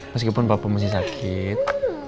meskipun papa masih sakit